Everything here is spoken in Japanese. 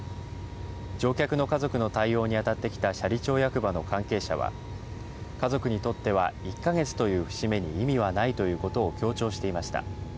乗客の家族の対応にあたってきた斜里町役場の関係者は家族にとっては１か月という節目に意味はないということを強調していました。